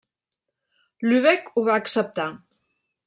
Lübeck ho va acceptar.